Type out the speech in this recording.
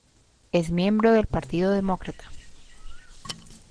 Es miembro del Partido Demócrata.